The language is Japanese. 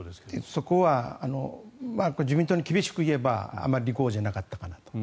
そこは自民党に厳しく言えばあまり利口じゃなかったかなと。